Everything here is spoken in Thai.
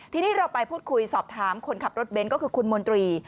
ทีนี้เราไปพูดคุยสอบถามคนขับรถเบนท์ก็คือคุณมนตรี